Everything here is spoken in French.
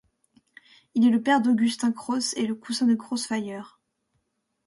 Il est le père d'Augustine Cross et le cousin de Crossfire.